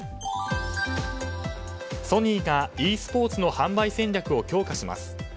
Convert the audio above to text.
ソニーがｅスポーツの販売戦略を強化します。